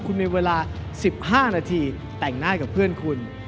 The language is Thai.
คุณมีเวลา๑๕นาทีแต่งหน้าให้กับเพื่อนคุณ